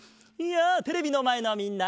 やあテレビのまえのみんな！